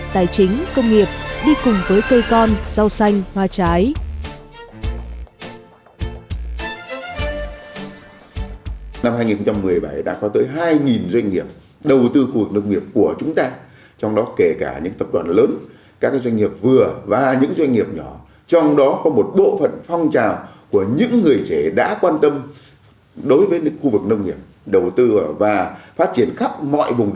tài chính công nghiệp đi cùng với cây con